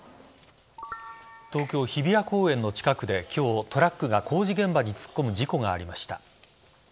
東京・日比谷公園の近くで今日トラックが工事現場に突っ込む事故がありました。